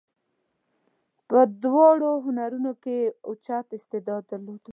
په دواړو هنرونو کې یې اوچت استعداد درلود.